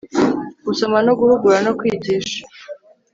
gusoma no guhugura no kwigisha